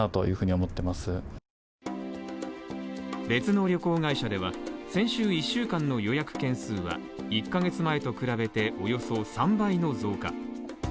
別の旅行会社では先週１週間の予約件数は１カ月前と比べて、およそ３倍の増加。